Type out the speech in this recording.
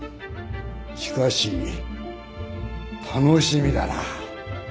しかし楽しみだなぁ。